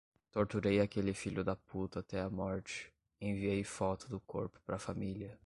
Torturei aquele filho da puta até a morte, enviei foto do corpo pra família